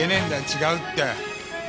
違うって！